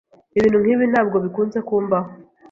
Ibintu nkibi ntabwo bikunze kumbaho.